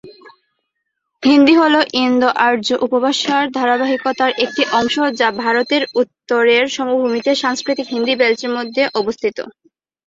হিন্দি হল ইন্দো-আর্য উপভাষার ধারাবাহিকতার একটি অংশ যা ভারতের উত্তরের সমভূমিতে সাংস্কৃতিক হিন্দি বেল্টের মধ্যে অবস্থিত।